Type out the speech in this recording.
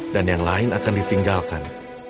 dan yang lain akan ditinggalkan